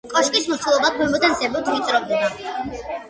კოშკის მოცულობა ქვემოდან ზემოთ ვიწროვდება.